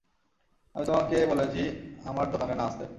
আমি তোমাকে বলেছি, আমার দোকানে না আসতে।